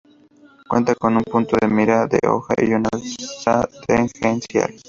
Cuenta con un punto de mira de hoja y un alza tangencial.